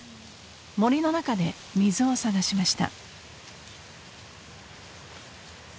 ［森の中で水を探しました］